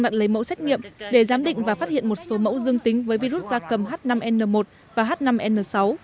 đã lấy mẫu xét nghiệm để giám định và phát hiện một số mẫu dương tính với virus da cầm h năm n một và h năm n sáu